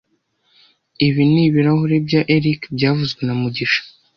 Ibi ni ibirahuri bya Eric byavuzwe na mugisha